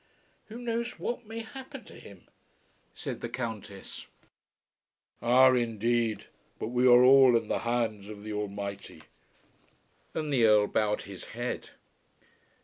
"Who knows what may happen to him?" said the Countess. "Ah, indeed! But we are all in the hands of the Almighty." And the Earl bowed his head.